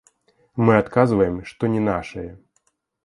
Мы адказваем, што не нашае.